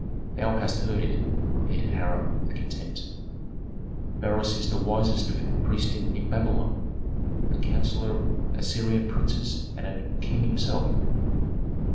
"Thou hast heard it!" repeated Hiram, with contempt. "Beroes is the wisest priest in Babylon, the counsellor of Assyrian princes and of the king himself."